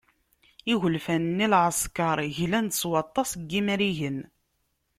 Igelfan-nni n leεeskeṛ glan-d s waṭas n yimrigen.